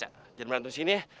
jangan berantem sini ya